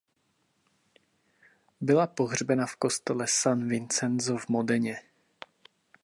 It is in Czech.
Byla pohřbena v kostele San Vincenzo v Modeně.